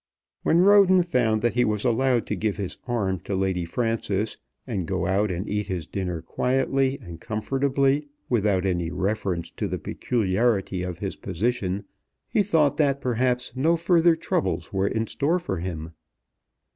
When Roden found that he was allowed to give his arm to Lady Frances, and go out and eat his dinner quietly and comfortably without any reference to the peculiarity of his position, he thought that perhaps no further troubles were in store for him.